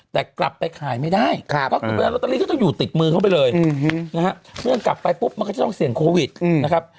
แต่กลับไปขายไม่ได้ตอนนี้ก็ต้องอยู่ติดมือเขาไปเลยเมื่อกลับไปปุ๊บมันก็จะต้องเสี่ยงโควิดนะครับ